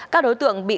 các đối tượng bị xô xát